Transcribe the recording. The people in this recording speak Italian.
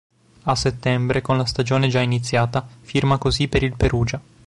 A settembre, con la stagione già iniziata, firma così per il Perugia.